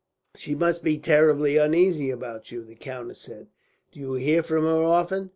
"She must be terribly uneasy about you," the countess said. "Do you hear from her often?"